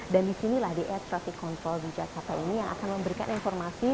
dan disinilah di air traffic control di jakarta ini yang akan memberikan informasi